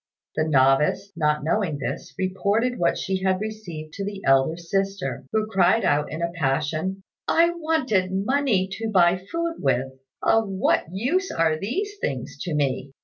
The novice, not knowing this, reported what she had received to the elder sister, who cried out in a passion, "I wanted money to buy food with; of what use are these things to me?"